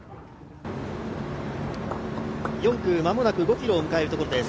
４区、間もなく５ｋｍを迎えるところです。